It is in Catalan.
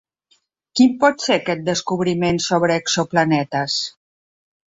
Quin pot ser aquest descobriment sobre exoplanetes?